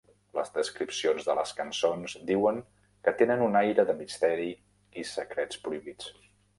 Les descripcions de les cançons diuen que tenen "un aire de misteri i secrets prohibits".